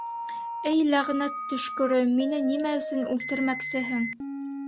Эй ләғнәт төшкөрө, мине нимә өсөн үлтермәксеһең?